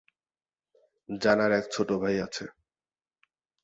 জানার এক ছোট ভাই আছে।